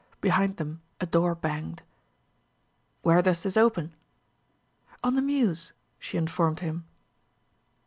Behind them a door banged. "Where does this open?" "On the mews," she informed him.